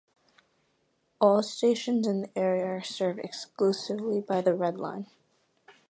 All stations in the area are served exclusively by the Red Line.